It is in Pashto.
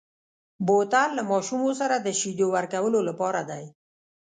بوتل له ماشومو سره د شیدو ورکولو لپاره دی.